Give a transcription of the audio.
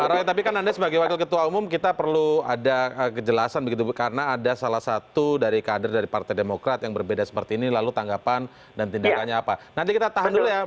pak roy tapi kan anda sebagai wakil ketua umum kita perlu ada kejelasan begitu karena ada salah satu dari kader dari partai demokrat yang berbeda seperti ini lalu tanggapan dan tindakannya apa nanti kita tahan dulu ya